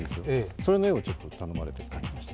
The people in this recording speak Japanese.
それの絵を頼まれて描きました。